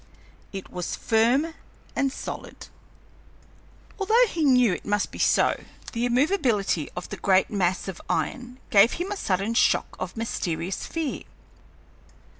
It was firm and solid. Although he knew it must be so, the immovability of the great mass of iron gave him a sudden shock of mysterious fear.